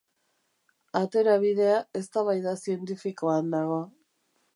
Aterabidea eztabaida zientifikoan dago.